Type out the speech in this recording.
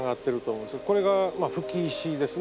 これが「葺き石」ですね。